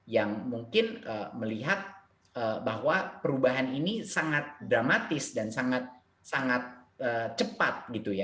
yang mungkin melihat bahwa perubahan ini sangat dramatis dan sangat cepat gitu ya